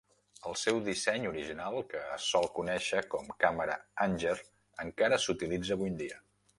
El seu disseny original, que es sol conèixer com càmera Anger, encara s"utilitza avui en dia.